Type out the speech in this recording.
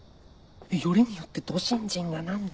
よりによってど新人が何で。